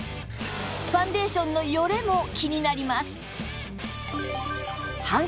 ファンデーションのヨレも気になります